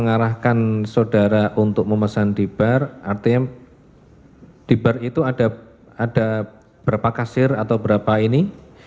artinya di bar itu ada berapa kasir atau berapa ini